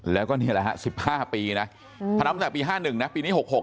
แล้วก็นี่แหละฮะ๑๕ปีนะถ้านับตั้งแต่ปี๕๑นะปีนี้๖๖